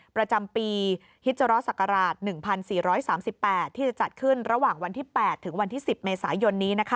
ประจำปีฮิจรศักราช๑๔๓๘ที่จะจัดขึ้นระหว่างวันที่๘ถึงวันที่๑๐เมษายนนี้นะคะ